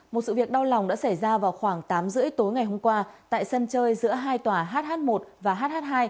một sự việc đau lòng đã xảy ra vào khoảng tám h ba mươi tối ngày hôm qua tại sân chơi giữa hai tòa hh một và hh hai